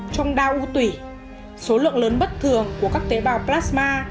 trong đau u tủy số lượng lớn bất thường của các tế bào plasma